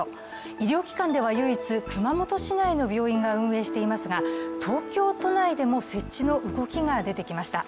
医療機関では唯一、熊本市内の病院が運営していますが東京都内でも設置の動きが出てきました。